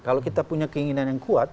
kalau kita punya keinginan yang kuat